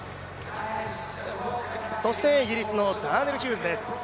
そしてイギリスのザーネル・ヒューズです。